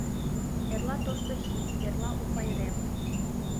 Эрла тошто сий, эрла у пайрем.